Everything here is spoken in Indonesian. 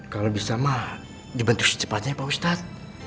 kalau bisa mah dibentuk secepatnya pak ustadz